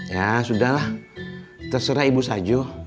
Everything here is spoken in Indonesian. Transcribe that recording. ya sudahlah terserah ibu sajo